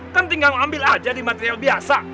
kan tinggal ambil aja di material biasa